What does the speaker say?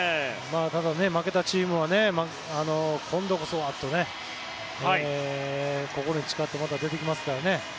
ただ、負けたチームは今度こそはと心に誓ってまた出てきますからね。